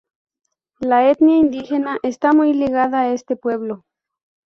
La etnia indígena está muy ligada a este pueblo.